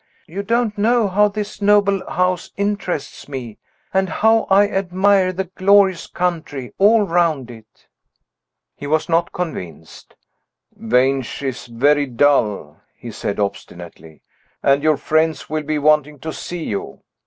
You don't how this noble old house interests me, and how I admire the glorious country all round it." He was not convinced. "Vange is very dull," he said, obstinately; "and your friends will be wanting to see you.